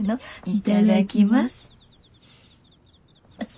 いただきます。